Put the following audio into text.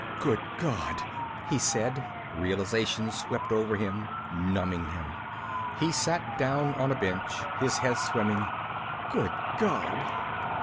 "Good God," he said. Realization swept over him, numbing him. He sat down on a bench, his head swimming. "Good God."